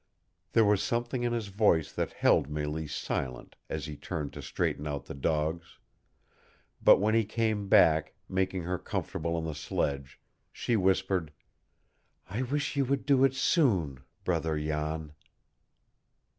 There was something in his voice that held Mélisse silent as he turned to straighten out the dogs; but when he came back, making her comfortable on the sledge, she whispered: "I wish you would do it SOON, Brother Jan!"